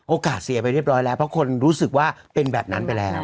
เสียไปเรียบร้อยแล้วเพราะคนรู้สึกว่าเป็นแบบนั้นไปแล้ว